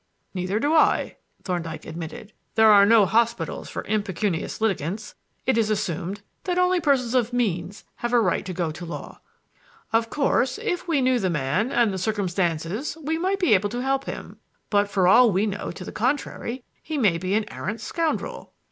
"Neither do I," Thorndyke admitted. "There are no hospitals for impecunious litigants; it is assumed that only persons of means have a right to go to law. Of course, if we knew the man and the circumstances we might be able to help him; but for all we know to the contrary, he may be an arrant scoundrel."